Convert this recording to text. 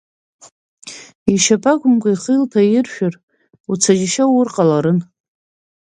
Ишьапы акәымкәа, ихы илҭаиршәыр, уцаны ишьа уур ҟаларын…